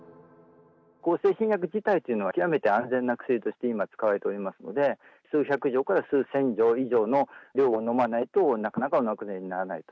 向精神薬自体というのは、極めて安全な薬として今使われておりますので、数百錠から数千錠以上の量を飲まないと、なかなかお亡くなりにならないと。